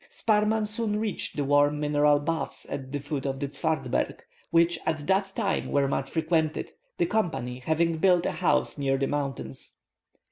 Sparrman soon reached the warm mineral baths at the foot of the Zwartberg, which, at that time, were much frequented, the company having built a house near the mountains.